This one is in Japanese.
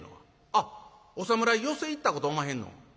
「あっお侍寄席行ったことおまへんの？